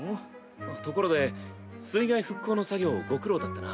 ところで水害復興の作業ご苦労だったな。